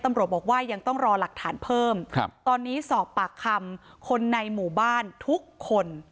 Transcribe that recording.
ตำรวจบอกว่ายังต้องรอหลักฐานเพิ่มครับตอนนี้สอบปากคำคนในหมู่บ้านทุกคน